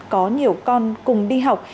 có nhiều con cùng đi học